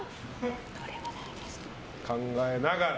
考えながら。